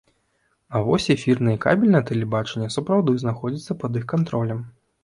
А вось эфірнае і кабельнае тэлебачанне сапраўды знаходзяцца пад іх кантролем.